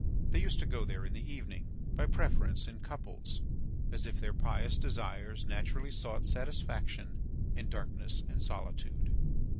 They used to go there in the evening, by preference in couples, as if their pious desires naturally sought satisfaction in darkness and solitude.